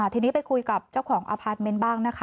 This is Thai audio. ทีนี้ไปคุยกับเจ้าของอพาร์ทเมนต์บ้างนะคะ